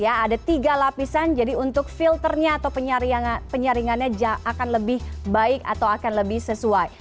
ada tiga lapisan jadi untuk filternya atau penyaringannya akan lebih baik atau akan lebih sesuai